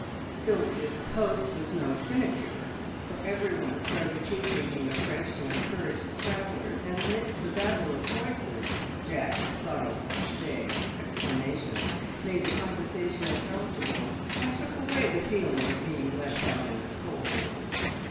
Sylvia's post was no sinecure, for everyone started tea drinking afresh to encourage the travellers, and amidst the babble of voices Jack's sotto voce explanations made the conversation intelligible, and took away the feeling of being left out in the cold.